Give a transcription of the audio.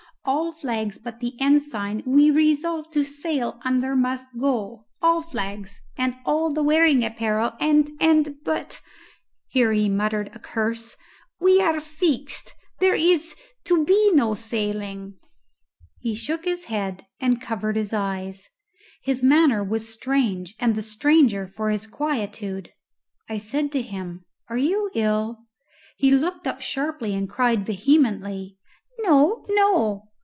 All flags but the ensign we resolve to sail under must go all flags, and all the wearing apparel, and and but" here he muttered a curse "we are fixed there is to be no sailing." He shook his head and covered his eyes. His manner was strange, and the stranger for his quietude. I said to him, "Are you ill?" He looked up sharply and cried vehemently, "No, no!"